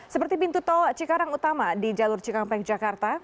seperti pintu tol cikarang utama di jalur cikampek jakarta